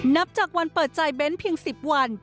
นับจากวันเปิดใจเบ้นเพียง๑๐วัน